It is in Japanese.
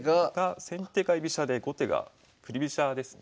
先手が居飛車で後手が振り飛車ですね。